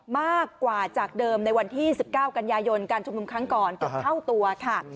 มากกว่าจากเดิมในวันที่๑๙กันยายนการชุมนุมครั้งก่อนเกือบเท่าตัวค่ะ